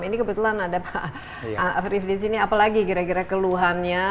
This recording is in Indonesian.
ini kebetulan ada pak avrif di sini apalagi kira kira keluhan nya